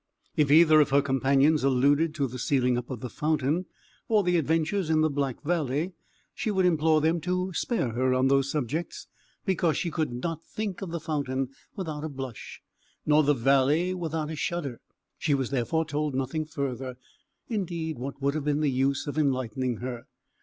If either of her companions alluded to the sealing up of the fountain, or the adventures in the Black Valley, she would implore them to spare her on those subjects, because she could not think of the fountain without a blush, nor the valley without a shudder. She was therefore told nothing further; indeed, what would have been the use of enlightening her?